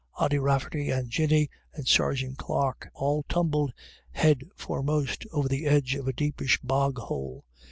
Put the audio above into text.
Ody Rafferty, and Jinny, and Sergeant Clarke, all tumbled headforemost over the edge of a deepish bog hole.